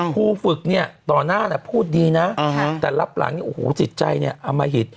ผู้ฝึกต่อหน้าพูดดีนะแต่รับหลังสิทธิ์ใจอมมหิต